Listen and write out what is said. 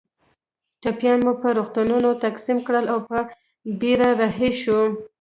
ټپیان مو پر روغتونونو تقسیم کړل او په بېړه رهي شوو.